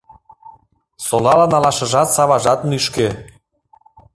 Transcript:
Солалын налашыжат саважат нӱшкӧ.